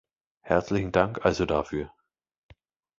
Herzlichen Dank also dafür!